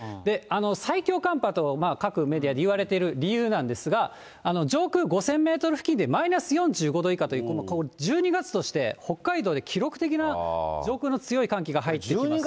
最強寒波と各メディアでいわれてる理由なんですが、上空５０００メートル付近でマイナス４５度以下という、１２月として北海道で記録的な上空の強い寒気が入ってきます。